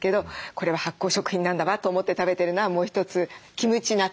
「これは発酵食品なんだわ」と思って食べてるのはもう一つキムチ納豆ですね。